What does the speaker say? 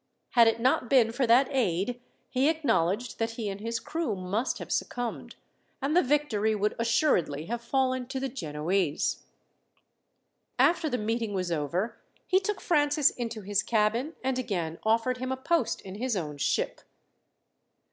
Had it not been for that aid, he acknowledged that he and his crew must have succumbed, and the victory would assuredly have fallen to the Genoese. After the meeting was over he took Francis into his cabin, and again offered him a post in his own ship.